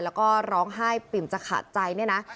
แล้วก็ร้องไห้ปิ่มจะขาดใจเนี่ยนะ